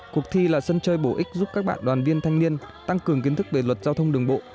cuộc thi là sân chơi bổ ích giúp các bạn đoàn viên thanh niên tăng cường kiến thức về luật giao thông đường bộ